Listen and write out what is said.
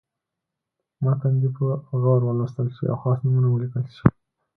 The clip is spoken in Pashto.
متن دې په غور ولوستل شي او خاص نومونه ولیکل شي.